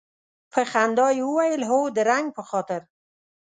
په خندا یې وویل هو د رنګ په خاطر.